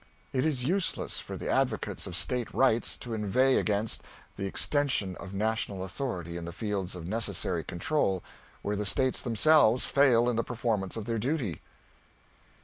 "It is useless for the advocates of State rights to inveigh against ... the extension of national authority in the fields of necessary control where the States themselves fail in the performance of their duty."